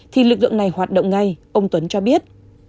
thì lực lượng này hoạt động ngay ông tuấn cho biết